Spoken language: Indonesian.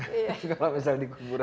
kalau misalnya di kuburan